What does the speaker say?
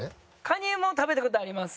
カニも食べた事あります。